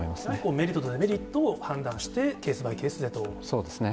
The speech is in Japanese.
メリットとデメリットを判断そうですね。